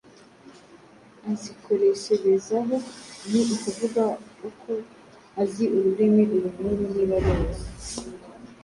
azikoresherezaho. Ni ukuvuga uko azi ururimi uru n’uru niba aruzi